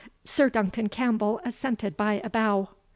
Sir Duncan Campbell assented by a bow.